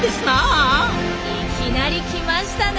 いきなり来ましたね